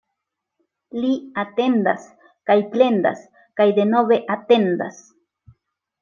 Li atendas kaj plendas kaj denove atendas.